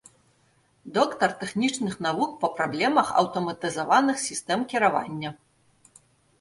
Доктар тэхнічных навук па праблемах аўтаматызаваных сістэм кіравання.